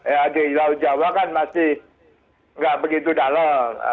ya di laut jawa kan masih nggak begitu dalam